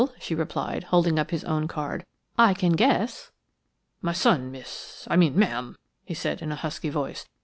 she replied, holding up his own card, "I can guess." "My son, miss–I mean ma'am," he said in a husky voice.